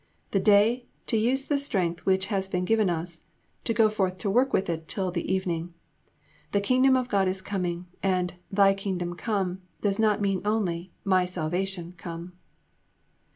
The day, to use the strength which has been given us, to go forth to work with it till the evening. The Kingdom of God is coming; and "Thy Kingdom come" does not mean only "My salvation come."